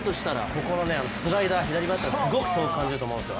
ここのスライダー、左バッターはすごく遠く感じると思うんですよ。